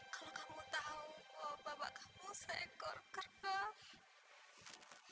kalau kamu tahu bapak kamu seekor kerbau